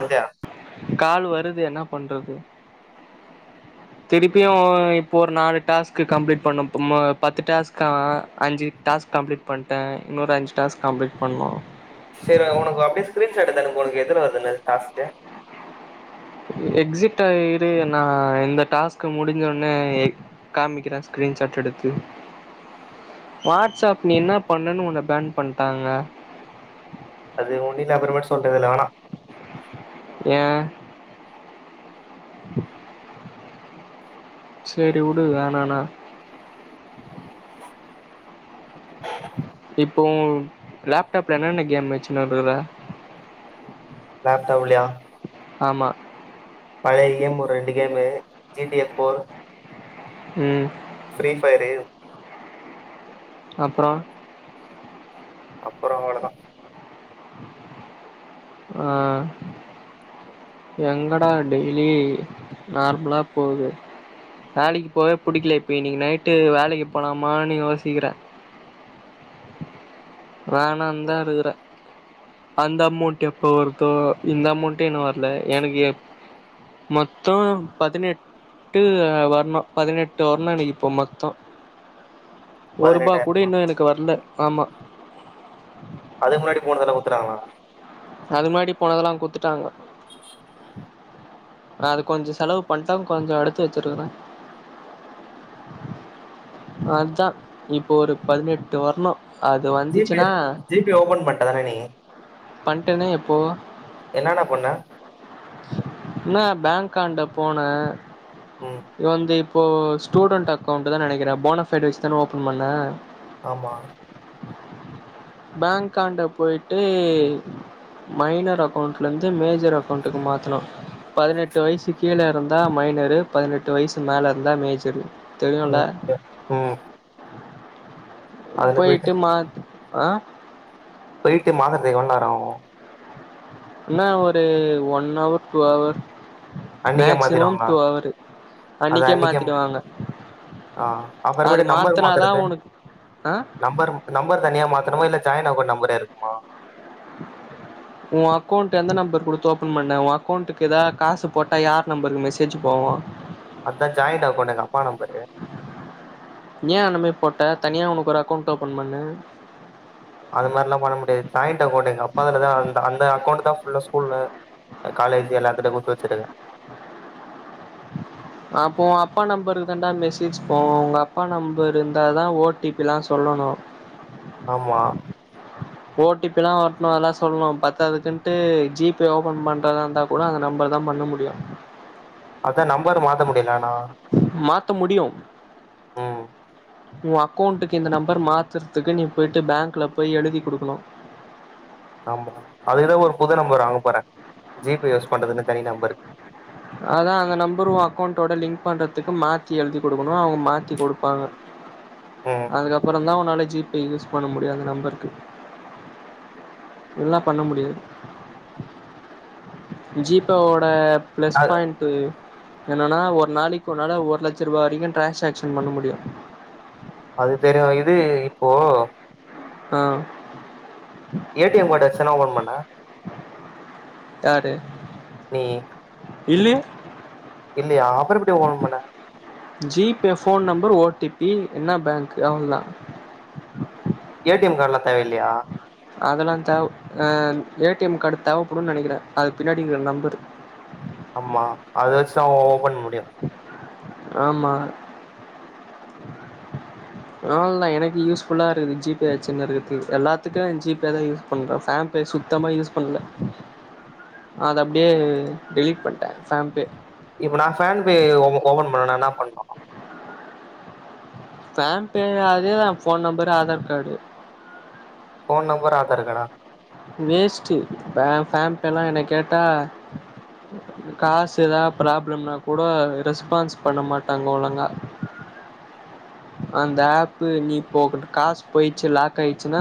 முடிஞ்சா கால் வருது என்னா பண்றது திருப்பியும் இப்போ ஒரு நாலு டாஸ்க் கம்ப்ளீட் பண்ணும் இப்ப பத்து டாஸ்க்காம் அஞ்சு டாஸ்க் கம்ப்ளீட் பண்ட்டேன் இன்னொரு அஞ்சு டாஸ்க் கம்ப்ளீட் பண்ணும் ஸ்கீரீன்சாட் எடுத்து அனுப்பு உனக்கு எத்தனை வருதுன்னு டாஸ்க்கு எக்ஸிட் ஆய்ரு நான் இந்த டாஸ்க் முடிஞ்சோனே காமிக்கிறேன் ஸ்கிரீன்ஷாட் எடுத்து வாட்ஸ்ப் நீ என்ன பண்ணனு உன்ன பேன் பண்ணிடாங்க அது ஒன்னு இல்ல அப்புறமேட்டு சொல்றேன் இதுல வேணா செரி வுடு வேணான இப்போ ஒன் லேப்டாப்ல என்னென்ன கேம் வச்சுன்னு இருக்குற லாப்டாப் லயா ஆமா பழைய கேம் ஒரு ரெண்டு கேமு ஜிடி ஏப் போர் ம் ஃப்ரீ ஃபயரு அப்றோ அப்றோ அவ்ளோ தா ஆ எங்கடா டெய்லி நார்மலா போகுது வேலைக்கு போவே புடிக்கல இப்ப இன்னைக்கு நைட்டு வேலைக்கு போலாமான்னு யோசிக்கிறேன் வேணாணு தான் இருக்கறேன் அந்த அமௌண்ட் எப்ப வருதோ இந்த அமௌண்டே இன்னும் வரல எனக்கு எப் மொத்தம் பதினெட்டு வரணும் பதினெட்டு வரணும் எனக்கு இப்போ மொத்தம் ஒரு ரூபா கூட பதினெட்டாயிரமா இன்னும் எனக்கு வரல ஆமா அதுக்கு முன்னாடி போனது எல்லா குடுத்துடாங்களா அது முன்னாடி போனதெல்லாம் குடுத்துட்டாங்க அது கொஞ்சம் செலவு பண்ணிட்டேன் கொஞ்சம் எடுத்து வச்சிருக்கிறேன் அது தா இப்போ ஒரு பதினெட்டு வர்ணம் ஜிபே ஜிபே ஓபன் பண்ணிட தானே நீ பண்ட்டேன்னா எப்போ என்னன்ன பண்ண அக்காண்ட போனே ம் இது வந்து இப் இப்போ ஸ்டூடண்ட் அக்ளெண்ட் தா நினைக்கிறேன் ஃபோணபைடு் வச்சுதானே ஓபன் பண்ண ஆமா பேங்க் காண்ட போயிட்டு மைனர் அக்கௌண்ட்ல இருந்து மேஜர் அக்கௌண்ட்டுக்கு மாத்துணும் பதினெட்டு வயசு கீழ இருந்தா மைனரு பதினெட்டு வயசு மேல இருந்தா மேஜரு தெரியுல்ல ஓகே ம் போயிட்டு மா ஆ போயிட்டு மாத்துரத்துக்கு எவ்ளோ நேரம் ஆகும் என்ன ஒரு ஒன் ஹவர் டூஹவர் அன்னிக்கே மாதிருவாங்ளா அதா அன்னைக்கே அன்னிக்கே மாத்திடுவாங்க ஆ அப்றோ அது மேட்டு நம்பர் மாத்தனாதா மாத்துறது உனக்கு ஆ நம்பர் தனியா மாத்தணுமா இல்ல ஜாயின் அக்கௌன்ட் நம் பர இருக்குமா உன் அக்கௌண்ட் எந்த நம்பர் குடுத்து ஓபன் பண்ண உன் அக்கௌண்ட்க்கு ஏதாது காசு போட்டா யார் நம்பருக்கு மெசேஜூ போவோம் அத்தா ஜாயிண்ட் அக்கௌன்ட் எங்க அப்பா நம்பரு ஏன் அந்தமாரி போட்ட தனியா உனக்கு ஒரு அக்கௌண்ட் ஓபன் பண்ணு அது மாரிலா பண்ண முடியாது ஜாயிண்ட் அக்கௌண்ட் எங்க அப்பா அதுல தா அந்த அந்த அக்கௌண்ட் தா ஸ்கூல்ல காலேஜ் எல்லார்கிட்ட குடுத்து வச்சிருக்கன் அப்போ ஒ அப்பா நம்பர்க்கு தண்டா மெசேஜ் போவோம் உங்க அப்பா நம்பர் இருந்தா தா ஓ டி பில்லா சொல்லனும் ஆமா ஓ டி பி லா ஒட்னு அதல்லா சொல்னு பத்தாதுக்குன்ட்டு ஜி பே ஓபன் பண்றதா இருந்தா கூட அந்த நம்பர் தா பண்ண முடியு அதா நம்பர் மாத்த முடிலண்ணா மாத்த முடியு ம் உ அக்கௌண்ட்டுக்கு இந்த நம்பர் மாத்துறதுக்கு நீ போயி்ட்டு பேங்க்ல போய் எழுதி குடுக்கனு ஆமா அதுக்குதா ஒரு புது நம்பர் வாங்க போறே ஜி பே யூஸ் பண்றதுனு தனி நம்பரு அதா அந்த நம்பரு உ அக்கௌண்டோட லிங்க் பண்றதுக்கு மாத்தி எழுதி குடுக்கனு அவுங்க மாத்தி குடுப்பாங்க ம் அதுக்கப்பறொந் தா ஒன்னால ஜி பே யூஸ் பண்ண முடியு அந்த நம்பருக்கு இல்னா பண்ண முடியாது ஜீ பே ஓட ப்ளஸ் அது பாய்ன்ட்டு என்னனா ஒரு நாளைக் உன்னால ஒரு லட்சருவா வரைக்கு ட்ரான்சாக்ஷன் பண்ண முடியு அது தெரியு இது இப்போ ஆ ஏ டி எம் கார்டு வெச்சான ஓபன் பண்ண யாரு நீ இல்லயே இல்லயா அப்ற எப்டி ஓபன் பண்ண G Pay phone number O T P என்ன பேங்க் அவ்ள்தா ஏ டி எம் கார்ட்லா தேவல்லயா அதல்லா தேவ் ஆ ஏ டி எம் கார்டு தேவப்படுன் நெனக்கிறே அது பின்னாடிக்கிற நம்பரு ஆமா அத வச்சுதா ஒ ஓப்பன் பண் ஆமா அவள் தா எனக்கு யூஸ்ஃபுல்லா இருக்குது ஜி பே வச்சுனு இருக்கது எல்லாத்துக்கு ஜி பே தா யூஸ் பண்ற ஃபேன் பே சுத்தமா யூஸ் பண்ல அத அப்டியே டெலீட் பண்ட்ட ஃபேன் பே இப்ப நா ஃபேன் பே ஓப ஓபன் பண்ணுனா என்னா பண்ணனு ஃபேன் பே அதேதா phone number Aadhaar card phone number Aadhaar கார்டா வேஸ்ட்டு ஃபேன் பேலா என்ன கேட்டா காசு எதா ப்ராப்ளம்னா கூட ரெஸ்பான்ஸ் பண்ண மாட்டாங்க ஒழுங்கா அந்த ஆப்பு நீ இப்போ ஒகிட்ட காசு போயிச்சு லாக் ஆயிச்சினா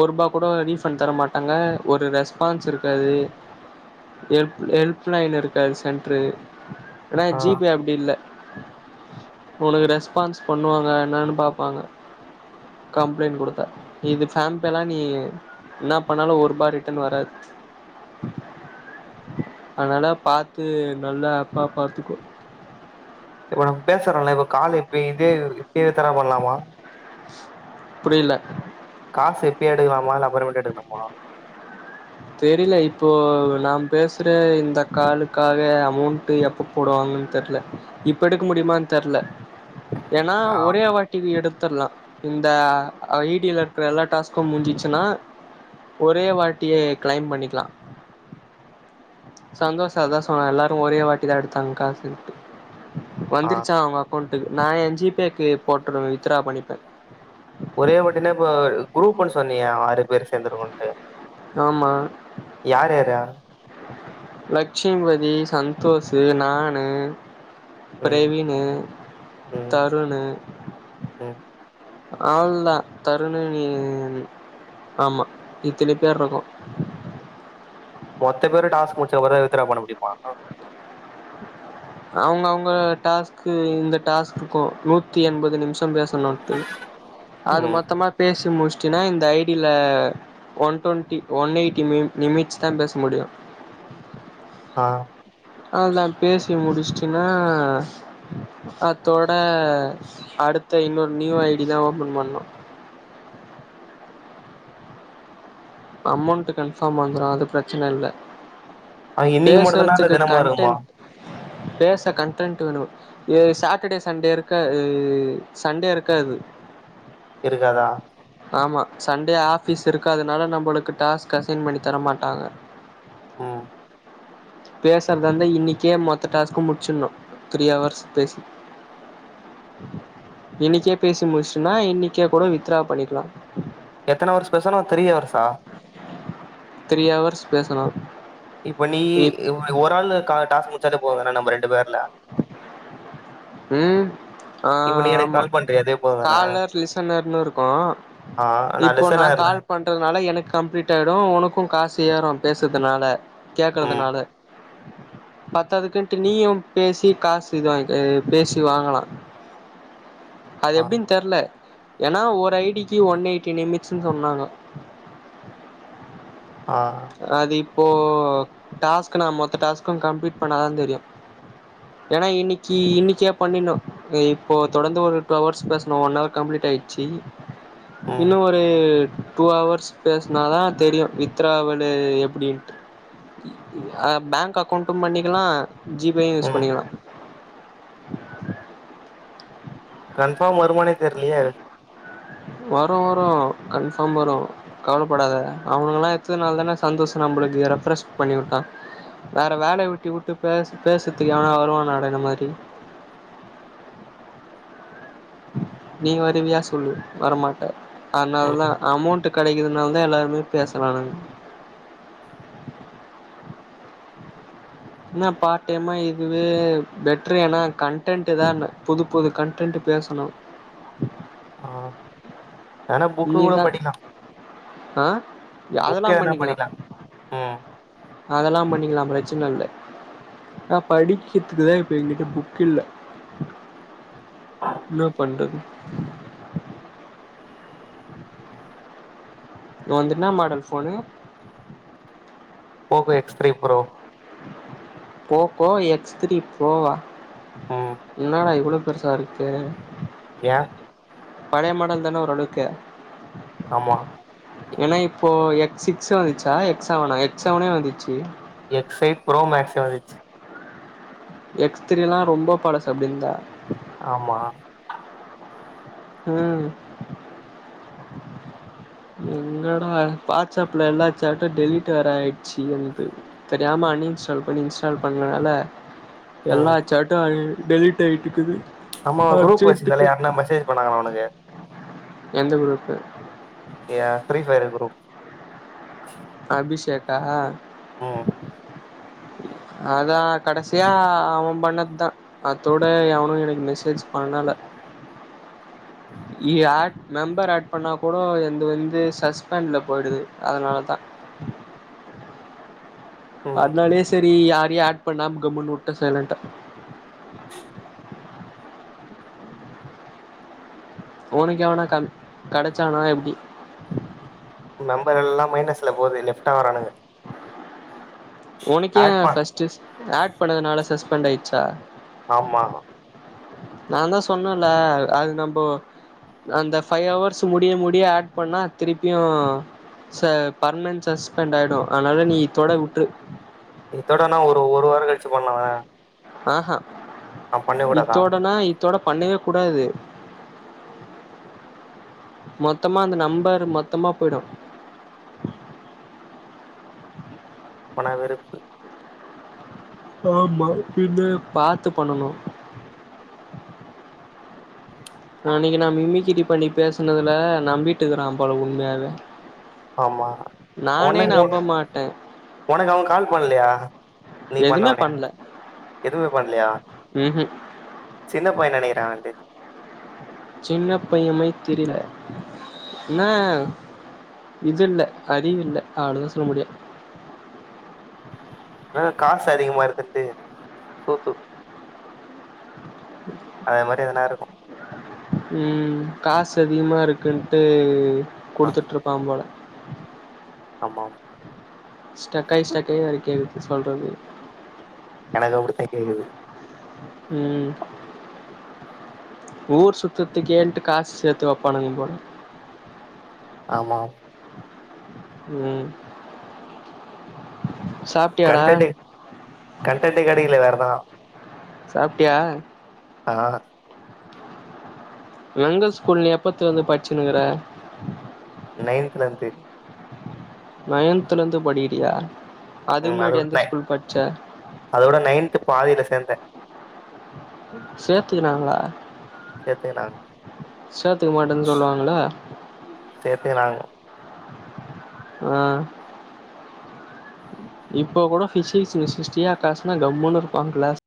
ஒருபா கூட ரீஃபன்ட் வரமாட்டாங்க ஒரு ரெஸ்பான்ஸ் இருக்காது எல் ஹொல்ப் லைன் இருக்காது சென்ட்ரு அனா ஆ ஜி பே அப்டி இல்ல ஒனக்கு ரெஸ்பான்ஸ் பண் ணுவாங்க என்னானு பாப்பாங்க கம்ளைண்ட் குடுத்தா இது ஃபேன் பேலா நீ இன்னா பண்ணாலு ஒரு பா ரிட்டன் வராது அனால பாத்து நல்ல ஆப்பா பாத்துக்கோ ஒனக் பேசுறொல்ல இப்ப காலு இப்ப இதே இப்பயே தரவ் பண்லாமா புரில காசு இப்யே எடுக்கலாமா இல்ல அப்புறமேட்டு எடுக்னுமா தெரில இப்போ நா பேசுற இந்த காலுக்காவே அமௌண்ட்டு எப்ப போடுவாங்கன் தெர்ல இப்ப எடுக்க முடியுமான் தெர்ல ஏனா ஆ ஒரே வாட்டி எடு த்துர்லா இந்த ஐ டி ல இருக்குற எல்லா டாஸ்க்கு முஞ்சிச்சுனா ஒரே வாட்டிய க்ளைம் பண்ணிக்லா சந்தோஷ் அதா சொன்னா எல்லாரு ஒரே வாட்டி தா எடுத்தாங்க காசுன்ட்டு ஆ வந்துருச்சா அரவுங்க அக்கோண்ட் நா என் ஜி பேக்கு போட்டுவே வித்ரா பண்ணிபே ஒரே வாட்டினா இப்ப குரூப்புன் சொன்னியே ஆறு பேரு சேந்துருக்கோன்டு ஆமா யார் யாரா லெச்சுமிபதி சந்தோஷ்சு நானு ம் பிரவீன்னு ம் தருணு ம் அவுள்தா தருணு நீனு ஆமா இத்தினி பேர் இருக்கோ மொத்த பேரு டாஸ்க் முடிச்ச ஒரே வித்தரா பண்ண முடியுமா அவுங்க அவுங்க டாஸ்கு இந்த டாஸ்குக்கு நூத்தி எண்பது நிமிஷ பேஸ் சனுட்டு அது ம் மொத்தமா பேசி முஸ் அப்டினா இந்த ஐடியில் one twenty one eighty mini minute தா பேச முடியும் ஆ அவள்தா பேசி முடிச்சிட்டினா அத்தோட அடுத்த இன்னொரு நியூ ஐடி தா ஓபன் பண்ணு அமோண்ட் கன்ஃபாம் வந்துரு அது பிரச்சனை இல்ல ஆ இன்னைக்கு மட்டுதானா இல்ல பேசுறதுக்கு தெனமு இருக்குமா கன்டென்ட் பேச கன்டரன்ட் வேணு சாட்டடே சண்டே இருக்கா சண்டே இருக்காது இருக்காதா ஆமா சண்டே ஆஃபீஸ் இருக்காது நால நம்மளுக்கு டாஸ்க் அசைன் பண்ணி தர மாட்டாங்க ம் பேசறாந்தா இன்னிக்கே மொத்த டாஸ்க்கு முடிச்சுன்னு த்ரீ அவர்ஸ் பேசி இன்னிக்கே பேசி முடிச்சிடினா இன்னிக்கே கூட வித்ரா பண்ணிக்லா எத்தன அவர்ஸ் பேசனு த்ரீ அவர்ஸா த்ரீ அவர்ஸ் பேசனு இப்ப நீ ஒரு ஆளு கால் டாஸ்க் முச்சால போதுங்க நம்ம ரெண்டு பேர்ல ம் ஆ இப்ப நீ எனக்கு ஆமா கால் பண்றியே அதே போதுதான காலர் லிசனர்னு இருக்கு ஆ இப்போ நா லிசனர்ல கால் பண்றதுனால எனக் கம்பிளீட் ஆய்டும் உனக்கு காசு ஏறும் பேசதுனால கேக்குறது ம் நாலு பத்ததுக்குன்டு நீயும் பேசி காசு இது வாங்கி ஆ பேசி வாங்கலா அது ஆ எப்டின் தெர்ல ஏன்னா ஒரு ஐடிக்கு ஒன் எயிட்டி நிமிஸ்ட்னு சொன்னாங்க ஆ ஆ ஆதி இப்போ போ டாஸ்க் நா மொத்த டாஸ்க் கம்ளீட் பண்ணா தா தெரியு ஏனா இன்னிக்கி இன்னிகே பண்ணிணு இப்போ தொடந்து ஒரு டூ அவர்ஸ் பேசணு ஒன் அவர் கம்ளீட் ஆய்டுச்சி ம் இன்னு ஒரு டூ அவஹவர்ஸ் பேசினா தா தெரியும் வித்ராவல் எ எப்டிண்டு அ பேங்க் அக்கௌண்டும் பண்ணிக்கலாம் ஜிபேயும் யூஸ் ம் பண்ணிக்கலாம் கன்ஃபார்ம் வருமனோ தெரிலயே வரும் வரும் கன்ஃபார்ம் வரும் கவலைப்படாத அவனுக எல்லா எத்துதுனால தானே சந்தோஷம் நம்மளுக்கு ரெஃப்ரெஷ பண்ணி விட்டான் வேற வேலைய விட்டி விட்டு பே பேசுறதுக்கு எவனா வருவானடா இந்த மாரி நீ வரவியா சொல்லு வரமாட்ட அதனால தா ம் அமௌண்ட் கிடைக்கிறனால தா எல்லாருமே பேசுறானுங்க என்ன பார்ட் டைமா இதுவே பெட்டரு ஏன்னா கன்டன்ட் தா புது புது கன்டன்ட் பேசணும் ஆ ஆனா புக்கு கூட நீதா படிக்கலா ஆ புக் அதெல்லா எதுனா படிக்லாம் ம் அதெல்லாம் பண்ணிக்கலாம் பிரச்சனை இல்ல ஆ படிக்கிறதுக்கு தா இப்ப எங்கிட்ட புக் இல்ல என்ன பண்றது வந்துனா என்ன மாடல் போன்னு Poco X three bro Poco X three போவா ம் என்னட இவ்ளோ ஃப்ரெஷ்ஷா இருக்கே யா பழைய மாடல் தானே ஒரு அளவுக்கு ஆமா ஏன்னா இப்போ எக் சிக்ஸ் வந்துச்சா எக் செவன எக்ஸ் செவனே வந்துச்சு ஸ்டைல் ப்ரோ மேக்ஸ்யே வந்துச்சு எக்ஸ் த்ரீ எல்லா ரொம்ப பழசு அப்டியிருந்தா ஆமா ம் எங்கடா வாட்ஸ்அப்பில் எல்லா சேட்டும் டெலீட் வர ஆயிடுச்சு என்ந்து தெரியாமல் அன்இன்ஸ்டால் பண்ணி இன்ஸ்டால் பண்ணனால எல்லா ம் சேட்டும் அழி டெலீட் ஆகிட்டுக்குது ஆமா குரூப் வச்சிருந்தே யாருனா மெசேஜ் பண்ணாங்களலா உனக்கு எந்த குரூப்பு ய ஃப்ரீ ஃபயர் குரூப் அபிஷேக்கா ம் அதான் கடைசியா அவம் பண்ணதுதா அத்தோட எவனு எனக்கு மெசேஜ் பண்ணல இ ஆட் மெம்பர் ஆட் பண்ணா கூட எந்து வந்து சஸ்பென்ட்ல போயிடுது அதனாலதா ம் பி யாரையு ஆட் பண்ணாம கம்முன்னு வுட்ட சைலன்டா உனுக் எவனா க கடச்சானா எப்டி மெம்பர் எல்லா மைனஸ்ல போவுது லெஃப்ட் ஆவுறானுங்க உனக் ஏ ஆட் பண் ஃபஸ்ட்டுஸ் ஆட் பண்ணதுனால சஸ் பென்ட் ஆயிச்சா ஆமா நாந்தா சொன்னல்ல அது நம்ப அந்த ஃபைவ் ஹவர்ஸ் முடிய முடிய ஆட் பண்ணா திருப்பியு ச பர்மனன்ட் சஸ்பெண்ட் ஆயிடு அனால நீ இத்தோட வுட்ரு இத்தோடனா ஒரு ஒரு வார கழிச்சு பண்லால ஆஹ அ பண்ண கூடாதா த்தோட பண்ணவே கூடாது மொத்தமா அந்த நம்பர் மொத்தமா போயிடு இப்ப நா வெறுப்பு ஆமா இனிம பாத்து பண்ணணு அன்னக்கி நா மிமிக்கிரி பண்ணி பேசுனதுல நம்பிட்டுக்குறா போல உண்மையாவே ஆமா நானே ஒனக்கு நம்ப மாட்டே ஒனக்கு அவ கால் பண்லயா நீ எதுமே பண்ணனோன பண்ல எதுமே பண்லயா ம்ஹும் சின்ன பைய நெனகிறே வந்து சின்ன பைய மை தெரில என்னா இதுல்ல அறிவில்ல அவ்ளதா சொல்ல முடியு டு சோத்து அது மாரி எதுனா இருக்கு ம் காசு அதிகமா இருக்குன்ட்டு ஆ குடுத்துட்ருப்பா போல ஆமா ஸ்டக்காய் ஸ்டக்காய் வேற கேக்கு சொல்றது எனக்கு அப்டித்தா கேக்குது ம் ஊர் சுத்தற்துக்கேன்ட்டு காசு சேத்து வப்பானுங்க போல ஆமா ம் சாப்ட்டியாடா கண்டன்ட்டு கண்டன்ட்டு கெடைக்கல வே றா சாப்டியா ஆஹ எந்த ஸ்கூல் நீ எப்பத்துலந்து பட்ச்சுனுகுற நயந்துலந்து நயந்துலந்து படிக்கிரியா ம் அதோட ந அதோட நையன்து பாதில சேந்தேன் சேத்துக்கனாங்களா சேத்துக்க மாட்டேன்னு சொல்லுவாங்களா சேத்தே நாங்கோ அ இப்போ கூட பிசிக்ஸ் சிஷ்டியா காலஸ்னா கமன்னு இருக்கும்ஙக கிளாஸ்